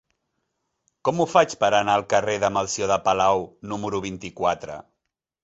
Com ho faig per anar al carrer de Melcior de Palau número vint-i-quatre?